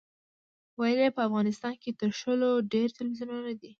ویل یې په افغانستان کې تر شلو ډېر تلویزیونونه دي.